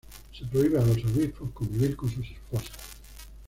Se prohíbe a los obispos convivir con sus esposas.